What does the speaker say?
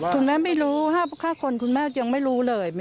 คุณแม่ไม่รู้๕คนคุณแม่ยังไม่รู้เลย